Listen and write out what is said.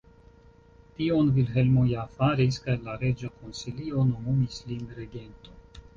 Tion Vilhelmo ja faris, kaj la reĝa konsilio nomumis lin regento.